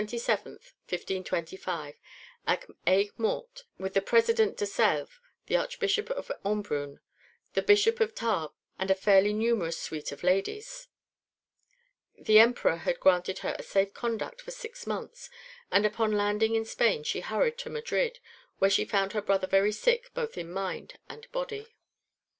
19. Despite adverse winds, Margaret embarked on August 27th, 1525, at Aigues Mortes, with the President de Selves, the Archbishop of Embrun, the Bishop of Tarbes, and a fairly numerous suite of ladies. The Emperor had granted her a safe conduct for six months, and upon landing in Spain she hurried to Madrid, where she found her brother very sick both in mind and body.